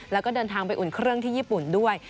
แล้วก็เดินทางไปอุ่นเครื่องที่ญี่ปุ่นด้วย